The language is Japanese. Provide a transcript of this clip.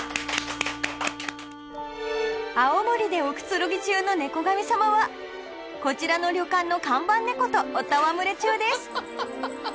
青森でおくつろぎ中の猫神さまはこちらの旅館の看板猫とお戯れ中ですハハハ。